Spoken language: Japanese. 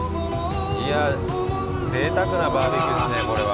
いやぜいたくなバーベキューですねこれは。